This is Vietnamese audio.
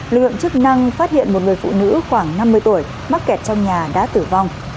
lượng chức năng phát hiện một người phụ nữ khoảng năm mươi tuổi mắc kẹt trong nhà đã tử vong